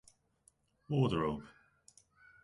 Wardrobe.